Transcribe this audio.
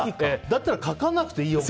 だったら書かなくていいよ。